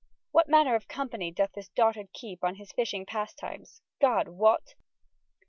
What manner of companye doth this dotard keepe on his fyshing pastimes, God wot!